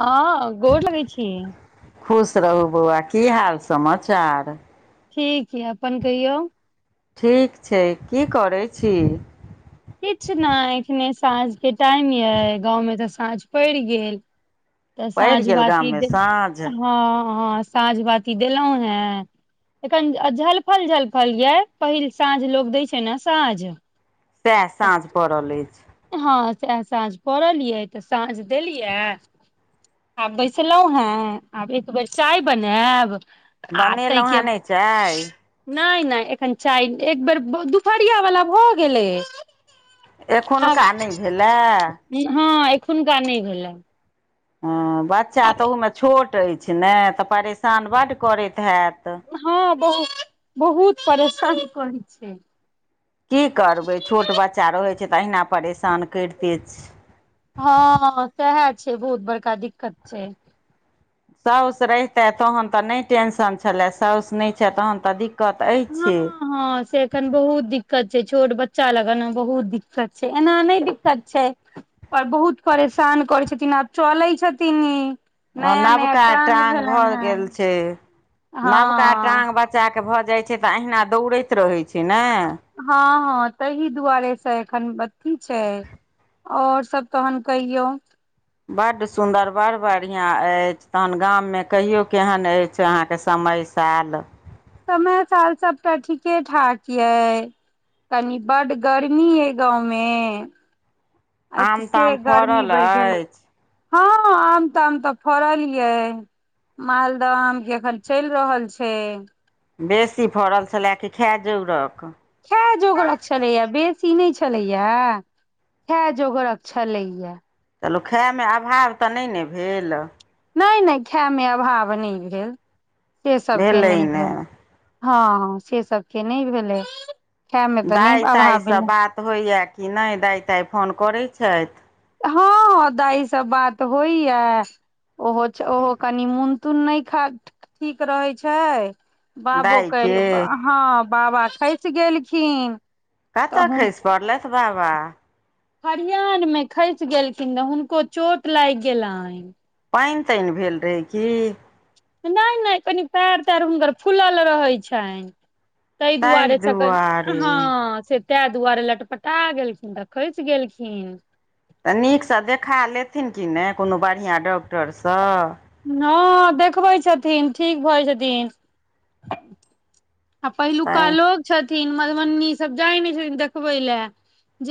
हँ गोर लगै छी खुश रहू बौआ की हाल समाचार ठीक यअपन कहियौ ठीक छै की करैय छी किछ नै एखने साँझ के टाइम यइ गाँंव मे तऽ साँझ पैड़ गेल तऽ पड़ि साँझ गेल बाती गाममे दै साँझ हँ हँ साँझ बाती देलौ हे एखन झलफल झलफल यइ पहिल साँझ लोक दैय छै ने साँझ सएह साँझ पड़ल अछि हँ सएह साँझ पड़लियै तऽ साँझ देलियै आब बैसलौ हें आब एक बेर चाय बनेएब आ बनेलहुँ तैके हेँ नहि चाय नै नै एखन चाय एक बेर दुपहरिया वला भऽ गेलै एखुनका नै आब भेला हँ एखुनका नै भेला हँ बच्चा तहुमे छोट अछि ने तऽ परेशान बड्ड करैत हेएत हँ बहुत बहुत परेशान करै छै की करबै छोट बच्चा रहै छै तऽ अहिना परेशान करिते छै हँ सेहा छै बहुत बड़का दिक्कत छै साउस रहिते तहन तऽ नै टेंशन छलै साउस नै छै तहन तऽ दिक्कत अछि हँ छै हँ से एखन बहुत दिक्कत छै छोट बच्चा लगन बहुत दिक्कत छै एना नै दिक्कत छै और बहुत परेशान करै छथिन आब चलै छथिन इ ओ नवका टांग भऽ गेल छै नवका हँ टांग बच च्चा केँ भऽ जाइत छै तऽ अहिना दौड़ैत रहैत छै ने हँ हँ तहि दुआरे स एखन अथी छै और सब तहन कहियौ बड सुन्दर बड़ बढ़िआँ ऐछ तहन गाम में कहियो केहन अछि अहाँकेँ समय साल समय साल सब तऽ ठीके ठाक यै। कनी बड गर्मी यै गाँव में अत आम स ताम गर्मी फड़ल बढ़ गेल अछि हँ आम ताम तऽ फड़ल यैय। मालदह आम एखन चैल रहल छै‌। बेसी फड़ल छला की खै जोगरक। खै जोगरक छलैया बेसी नै छलैया। खै जोगरक छलैया। चलू खाय में अभाव तऽ नै ने भेल। नै नै खै में अभाव नै भेल से सब केँ भेलै नै ने भेल। हँ से सब केँ नै भेलैय। दाय ताइ सँ बात होइए कि नै दाय ताइ फोन करैत छैथ हँ दाय स बात होइया। ओहो ओहो कनि मून तून नै खा ठीक रहै छैय। बाबो काइल दाइके हँ बाबा खैस गेलखिन। कऽ तऽ खैस पड़लाथ बाबा। खरियान में खैस गेलखिन रह हुनको चोट लाइग गेलैन पाइन ताइन भेल रहैय की। नै नै कनि पैर तैर हुनकर फुलल रहैय छैन। तैय ताहि दुआरे दुआरे [unintelligible] तै दुआरे लटपटा गेलखिन तऽ खैस गेलखिन। तऽ नीकस देखा लेथिन कि ना कोनो बढ़िआ डॉक्टर सऽ। हॅं देखबैय छथिन ठीक भऽ जतिन। [inaudible] आ पहिलुका तैँ लोक छथिन मधुबनी सब जाय नै छथिन देखबैय लै।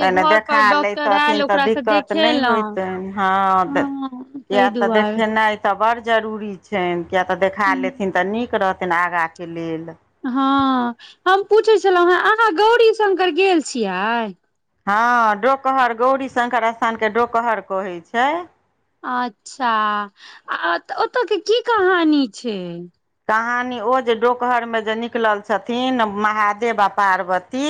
तैन देखा लैतथिन तऽ दिक्कत नै देखेलहुँ होयतैन हँ हँ ताहि किया तऽ दुआरे देखेनाय। तऽ बड़ जरूरी छैन किया तऽ देखा लेथिन तऽ नीक रहतैन आगा केँ लेल। हँ हम पूछैय छलौ अहाँ गौरी शंकर गेल छीयाय। हँ डोकहर गौरी शंकर स्थान कऽ डोकहर कहै छैय। अच्छा आ ओ तऽ केँ की कहानी छैय। कहानी ओ जे डोकहरमे जे निकलल छथिन महादेव आ पार्वती।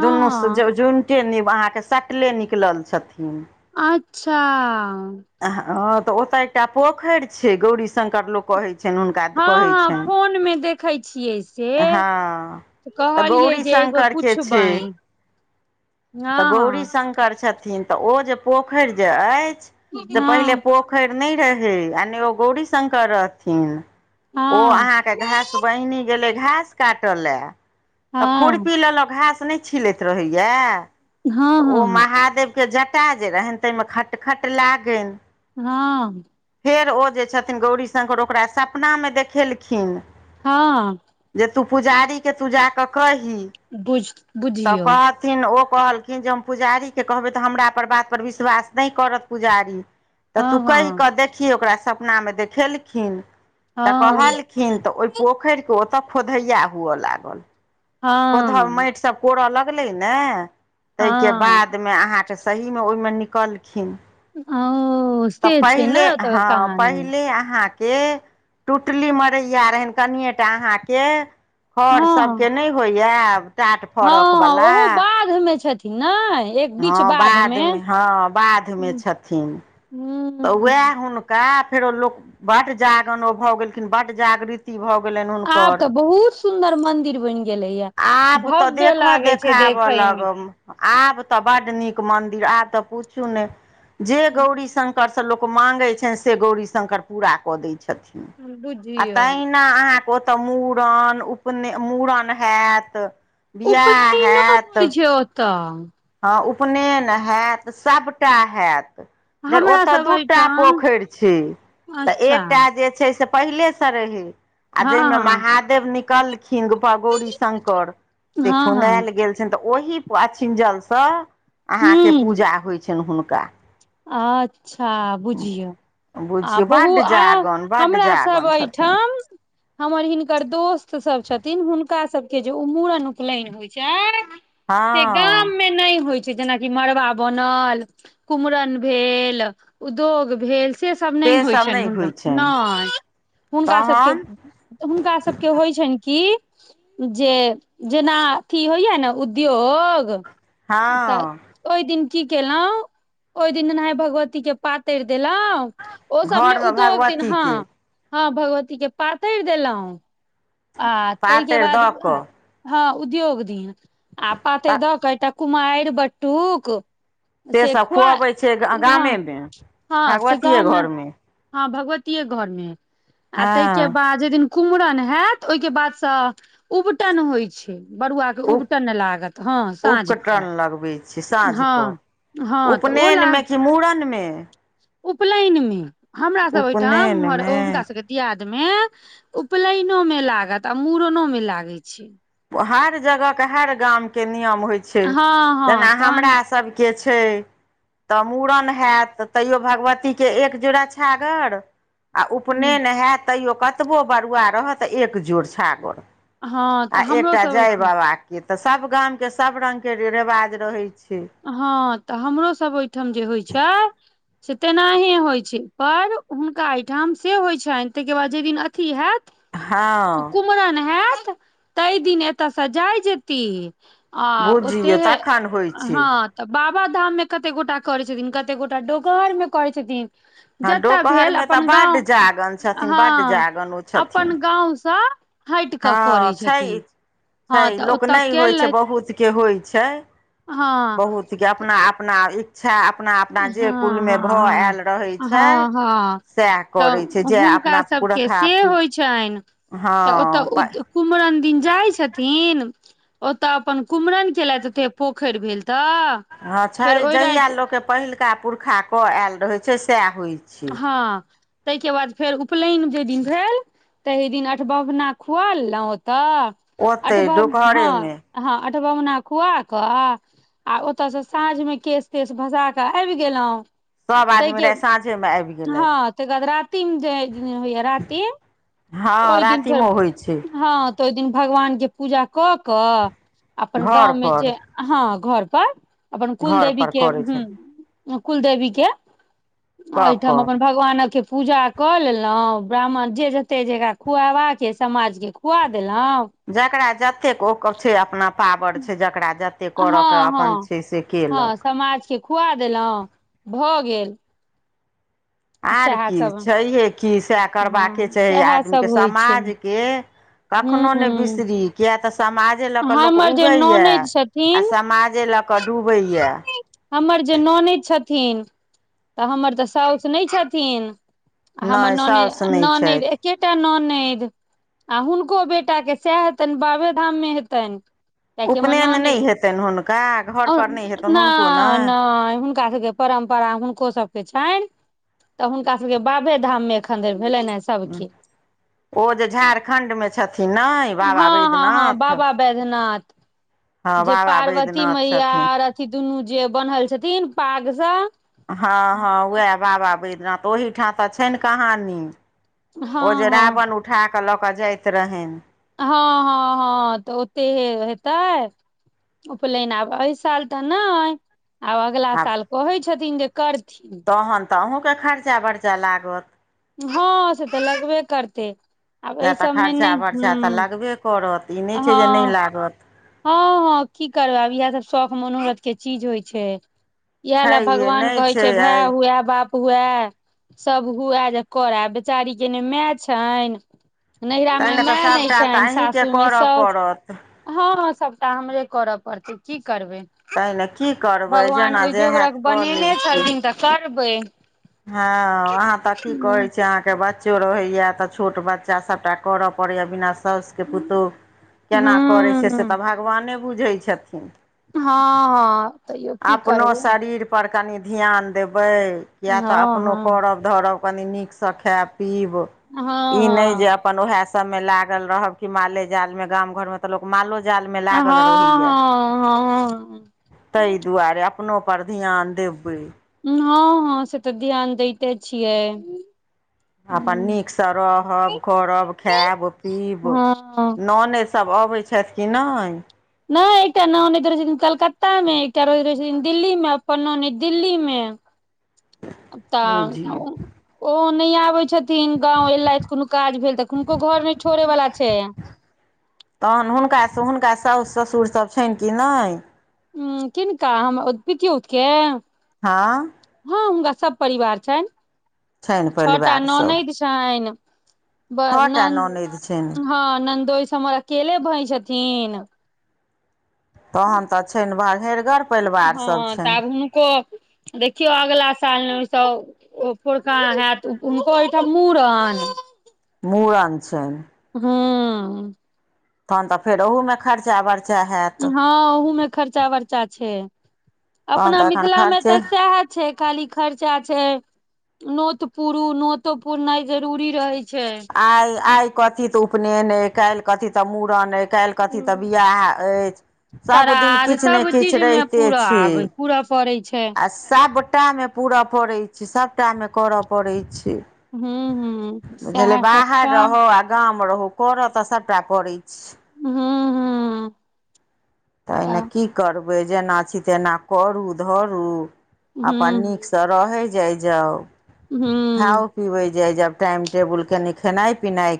दुनू स जुन्टे अहाँ केँ सटले निकलल छथिन। अच्छा। हँ तऽ ओतऽ एकटा पोखरि छै गौरी शंकर लोक कहैत छनि हुनका कहैय छनि। [unintelligible] हे हँ तऽ कहलियै गौरी जे एकबेर शंकर के छै पुछबैन। [unintelligible] तऽ गौरी शंकर छथिन तऽ ओ जे पोखरि जे अछि से पहिले हँ पोख। नै रहै आ ने ओ गौरी शंकर हँ रहथिन घास बहिनी गेलैय घास काटलॅं तऽ हँ खुरपी लल घास नैय। छीलैत रहैये। हँ तऽ ओ हँ महादेवके जटा जे रहनि ताहिमे खटखट लागैय। हाॅं। फेर ओ जे छथिन गौरी शंकर ओकरा सपना मे देखेलखिन। हाॅं। जे तू पुजारी के तू जाकऽ कही। बुझ बुझियौ। थिन ओ पहल कहखिन जे हम पुजारीे कहबै तऽ हमरा पर बात पर विश्वास नय करत पुजारी। तऽ हँ तू कहि हँ कऽ देखही ओकरा सपना मे देखेलखिन तऽ हँ कहल। खिन तऽ ओहि पोखर के ओतऽ खोधैया हुअ लागल। खोधऽ मैटि सब कोरऽ लगले ने तैय के हँ बाद मे अहाँ। सहीमे ओहिमे निकलखिन। हँ ओ तऽ से छै ने पहिले ओतऽ हँ कहानी पहिले अहाँ के टुटली मरैया रहनि कनियें टा अहाँके घर सबके नय जेब हँ हँ ओहो बाधमे छथिन न एक बीच हँ बाध मे बाधमे हँ बाधमे छथिन तऽ वएह हूँ हुनका फेरो लोक बड्ड जागरण ओ भऽ गेलखिन बड जागृत भऽ गेलनि आब हुनकर तऽ बहुत सुन्दर मंदिर बनि गेलैया आब तऽ भव्य देखऽ लागे छै खाब देखे मे लगम आब तऽ बड्ड नीक मंदिर आब तऽ पूछू ने जे गौरी शंकर लोक मांगे छनि से गौरी शंकर पूरा कऽ दै छथिन आ बुझियौ तैन जेना अहाँके ओतऽ मुड़न उपने मुड़न होयत बिआह हेत तऽ हँ उपनयन हैत सभटा हैत धरि हमरा ओतय सब दूटा एहिठाम पोखर छै तऽ अच्छा एकटा जे छै से पहिले से रहै आ जेमे हँ महादेव निकलखिन गौरी शंकर हँ से हँ खुनायल गेल छनि तऽ ओहि पर अछिंजल तऽ अहाँके हँ ह पूजा होइ छनि हुनका अच्छा बुझियौ आ बुझियौ बहु बड्ड आ जागन बड्ड हमरा सब जागन छथिन एहिठाम हमर हिनकर दोस्त सब छथिन हुनका सबके जे ओ मूड़न उपनयन होइ छै से हँ गाममे नय होइ छै जेनाकि मड़बा बनल कुम्हर भेल उद्योग भेल से सब नय से होइ सब छनि नहि होइ हुनकर छनि नय हुनका सभके तहन हुनका सभके होइ छनि की जे जेना अथी होइया ने उद्योग तऽ हँ ओ दिन की केलौं ओई दिन एनाही भगवती के पातरि देलौ ओई सब नै घरमे उदोग दिन हँ भगवतीके हँ भगवती के पातैर देलौ आ ताईके पातरि बाद दऽ कऽ हँ उद्योग दिन आ पातरि तऽ दऽ कऽ एकटा कुमायिर बटुक से सब सेखुआ खुअबै छै हँ गामेमे हँ से भगवतीये गाँवमे घरमे हँ भगवतीेये घर मे आ ताइके हँ बाद जै दिन कुमरन हएत ओहिके बाद स उबटन होइ छै बरुआ के उप उबटन लागत हँ साँझ उपकटन के लगबै छी साँझ कऽ हँ उपनायनमे कि मूड़नमे उपलायनमे हमर सब ओहिठाम उमहर उपनयनमे हुनका सबके दियाद मे उपनयनो मे लागत आ मूड़नो मे लागै छै हर जगहके हर गामके नियम होइ छै हँ हँ जेना तहन हमरा सब के छै तऽ मूड़न हयत तैयो भगवतीके एक जोड़ा छागर आ उपनेयन हएत तैयो कतबो बरुआ रहत एक जोड़ छागोड़ हँ आ तऽ हमरो एकटा सब जय ओहिठाम बाबा के त सब गाम के सब रंग के रेवाज रहै छै हँ तऽ हमरो सब ओहिठाम जे होइ छैय से तेनाही होइ छै पर हुनका एहिठाम से होइ छनि ताईके बाद जै दिन अथी हएत हँ कुमरन हयत तै दिन एतयसँ जाय जेती आ ओते बुझियौ हे तखन होइ छै हँ तऽ बाबा धाम मे कते गोटा करै छथिन कते गोटा डोकहर मे करै छथिन हँ जतय भेल डोकहरमे तऽ अपन बड गाँव जागन छथिन बड हँ जागन ओ छथिन अपन गाँवसँ हट कऽ हँ करै छै छथिन छै हँ तऽ लोक ओतय नै होइ छै केलथि बहुतके होइ छै हँ [unintelligible] अपना अपना ईह छा अपना अपना जे कुल हँ मे भऽ हँ आयल रहै छै हँ हँ सएह तऽ करै छै जे अपना पुरखा आपी चैन हँ पै कुमरम दिन जाइ छथिन ओतऽ अपन कुमरम केलथि ओते पोखरि भेल तऽ हँ छै फेर ओहि राति जहिया लोकके पहिलुका पुरखा कऽ आयल रहै छै सएह होइ छै हँ ताईके बाद फेर उपलैयन जेहि दिन भेल तहि दिन अठ बभना खुआ लेलौ ओतऽ आठ ओतहि बभ हँ डोकहरेमे हँ अठवभना खुआ कऽ आ ओतय स साँझ मे केश तेश भसा कऽ आबि गेलौं सब आदमी रै साँझे मे आबी हँ तै के बाद रातिम जेय दि होइए रातिम हँ ओई दिन फेर रातिमे होइ छै हँ तऽ ओई दिन भगवान के पूजा कऽ कऽ अपन गाँवमे घरपर जे हँ घर पर अपन कुलदेवी घरपर के करै छै हूँ कुलदेवी के आ कऽ एहिठाम कऽ अपन क भगवानके पूजा कऽ लेलौव ब्राह्मण जे जते जकरा खुआबाके समाजके खुआ देलौव जकरा जतेक ओकर छै अपना पावर छै जकरा ज एतेक कर के हँ अपन हँ छै से हँ केलक समाज के खुआ देलहुँ भ गेल आर सएह की सब छहिये कि सएह करबाके हँ छै सएह आदमी सब होइ छै केसमाज के हूँ कखनो नहि हूँ बिसरी किये त समाजे ल क लोक हमर जे उगैए ननैद आ छथिन समाजे ल क डुबैये हमर जे ननेद छथिन त हमर त साउस नहि छथिन हमर नहि ननेद साउस नहि ननेद एक छथि एकेटा ननेद आ हुनको बेटा के सएह हेतनि बाबे धाम मे हेतैनि कियाकि हमर उपनयन ननेद नहि हेतनि हुनका घर पर नहि हेतनि हुनको ने नहि नहि हुनका सभके परम्परा हुनको सभके छनि त हुनका सभ के के बाबे धाम मे एखन धर भेलेन हन ओ जे झारखण्ड मे छथिन ने हँ बाबा हँ हँ बैद्यनाथ बाबा वैद्यनाथ जे बाबा पार्वती वैद्यनाथ मैया छथिन आर ई दुनू जे बन्हल छथिन पाग सँ हँ हँ उएह बाबा बैद्यनाथ ओहि ठाम त छैन कहानी ओ हँ जे हँ रावण उठा क ल क जाइत रहेनी हँ हँ हँ त ओतेेहे हेतै उपनयन आब एहि साल त नय आब अगला आ साल कहै छथिन जे करथिन तहन त अहूँ के खर्चा बर्चा लागत हँ से त लगबे करतै आब किए एहि त सबमे खर्चा नय बरचा त हूँ लगबे करत ई नहि छै जे हँ नहि लागत हँ हँ की करबै आब इएह सब शौख मनोरथ के चीज होइ छै इएह छै ले हे भगवान नहि कहे छै भाय आइ हुए बाप हुए सभ हुए जे करै बेचारी के ने मै छनि नहिरा तै मे ने मै तऽ नय सभटा तऽ छनि अहीँके सासूर मे करय साउस पड़त हँ हँ सभटा हमरे कर पड़तै की करबै तै ले की कर भगवान ओहि जोकरक बनेने छथिन त करबै हँ अहाँ तऽ की कहै हूँ छी अहाँ के बच्च चो रहैया त छोट बच्चा सभटा करऽ पड़ैय बिना साउस के पुतोह केना करै छै से हँ त भगवाने बुझै छथिन हँअ अपनो शरीर पर कनि ध्यान देबै किया हँ त अपनो हँ करब धरब कनी नीक सँ खायब पीब हँ इ नय हँ ज अपन उएहे सब मे लागल रहब की माले जाल मे गाम घर मे त लोग मालो जाल में लागल हँ रहैया हँ हँ हँ तै दुआरे अपनो पर ध्यान देबै हँ हँ से त ध्यान दैते छियै अपन नीक सँ रहब करब खायब पीब हँ ननैद सभ अबै छथि कि नय नय एकटा ननैद रहै छथिन कलकत्ता मे एकटा रहैत रहै छथिन दिल्ली मे अपन ननैद दिल्ली मे त बुझियौ ओ नै आबे छथिन गांव ऐलैथ कोनो काज भेल तऽ हुनको घर नै छोड़े वला छै [inaudible] तहन हुनका हुनका सासु ससुर सभ छैन कि नै ह किनका हम ओ पितयोत केँ हँ हँ हुनका सभ परिवार छैन छनि [inaudible] छ टा परिवार सभ ननैद छओ टा ननदि छनि [unintelligible] हँ नन्दोस हमर अकेले भई छथिन तहन तऽ छैन [unintelligible] हँ तऽ आब हुनको देखियौ अगला साल नै ओ पोरका हैत हुनको ओहिठाम मुड़न मूड़न छियैन हू तहन तऽ फेर ओहू में खर्चा बर हँ ओहु में खर्चा वर्चा छै [inaudible] तहन अपना तऽ एखन मिथिला में खर्चे तऽ सैह छै खाली खर्चा छै [inaudible] नोत पुरु नोतो पुरनाइ जरूरी रहे छै आइ आइ कथी तऽ उपनयन अइ काइल कथी तऽ मूड़न काइल कथी तऽ हूँ बियाह ऐछ सब दिन श्राद्ध किछ नै सब किछ चीज मे रहिते पूरा छै आबै पूरा पड़ै छै [inaudible] आ सभटा में पूरय पड़ै छै सभटा में कर पड़ै छै हूँ हू बुझलियै बाहर रहो आ गाम रहू कर तऽ सभटा परै छै हू हू तऽ ए न की करबै जेना छी तेना करू धरू अपन नीक हूँ ठीक स रहै जाइ जाउ [inaudible] हूँ खाउ पिबै जाइ जैब टाइम टेबुल कनि खेनाइ पिनाइ